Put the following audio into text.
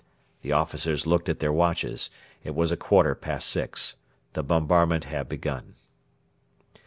The officers looked at their watches. It was a quarter past six. The bombardment had begun.